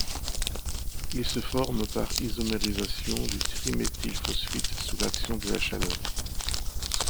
Il se forme par isomérisation du triméthylphosphite sous l'action de la chaleur.